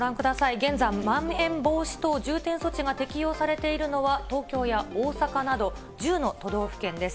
現在、まん延防止等重点措置が適用されているのは、東京や大阪など１０の都道府県です。